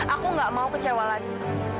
aku gak mau kecewa lagi